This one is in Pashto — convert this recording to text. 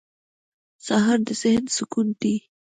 سهار د ذهن سکون دی.